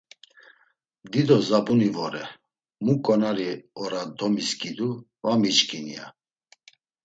Dido dzabuni vore, mu ǩonari ora domiskidu va miçkin, ya...